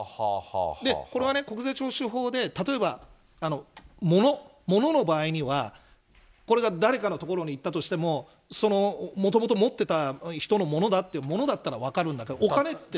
これはね、国税徴収法で、例えば、もの、ものの場合には、これが誰かの所に行ったとしても、そのもともと持ってた人のものだって、ものだったら分かるんだけど、お金って。